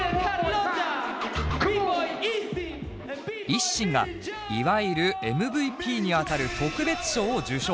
ＩＳＳＩＮがいわゆるＭＶＰにあたる特別賞を受賞。